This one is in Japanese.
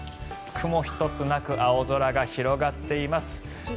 雲一つなく青空が広がっています。